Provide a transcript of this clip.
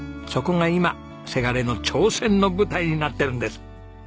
そこが今せがれの挑戦の舞台になってるんです。